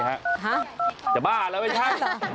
ฮะจะบ้าแล้วไงครับส่งผู้ป่วยเหรอคะ